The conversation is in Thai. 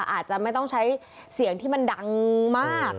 อาจจะไม่ต้องใช้เสียงที่มันดังมาก